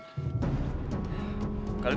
kalian jadi batu